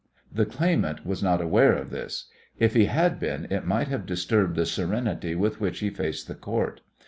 The claimant was not aware of this, if he had been it might have disturbed the serenity with which he faced the Court.